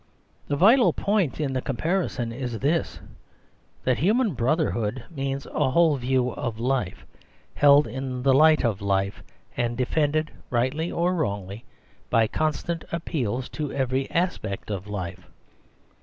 The vital point in the comparison is this: that human brotherhood means a whole view of life, held in the light of life, and defended, rightly or wrongly, by constant appeals to every aspect of life.